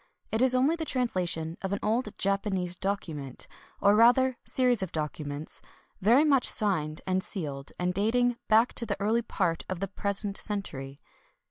It is only the transla tion of an old Japanese document — or rather series of documents — very much signed and sealed, and dating back to the early part of the present century.